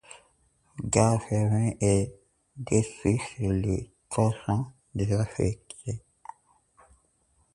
Gare fermée et détruite sur un tronçon désaffecté.